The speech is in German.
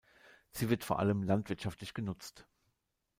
Sie wird vor allem landwirtschaftlich genutzt.